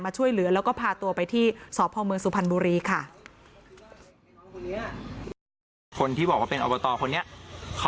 มาช่วยเหลือแล้วก็พาตัวไปที่สพสุพันธุ์บุรีค่ะ